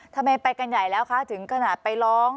ทำไมไปกันใหญ่แล้วคะถึงขนาดไปร้อง